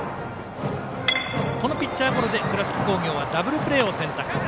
このピッチャーゴロで倉敷工業はダブルプレーを選択。